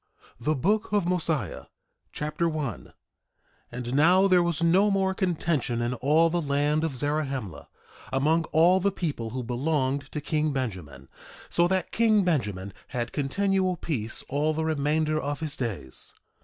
THE BOOK OF MOSIAH Mosiah Chapter 1 1:1 And now there was no more contention in all the land of Zarahemla, among all the people who belonged to king Benjamin, so that king Benjamin had continual peace all the remainder of his days.